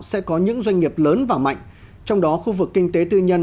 sẽ có những doanh nghiệp lớn và mạnh trong đó khu vực kinh tế tư nhân